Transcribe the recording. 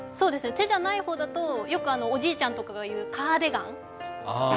手じゃない方だと、よくおじいちゃんとかが言うカーディガン？